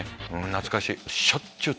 懐かしい！